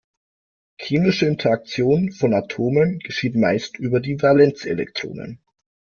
Chemische Interaktion von Atomen geschieht meist über die Valenzelektronen.